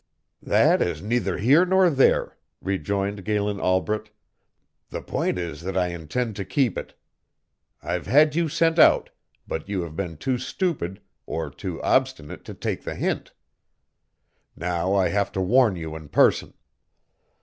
"That is neither here nor there," rejoined Galen Albret, "the point is that I intend to keep it. I've had you sent out, but you have been too stupid or too obstinate to take the hint. Now I have to warn you in person.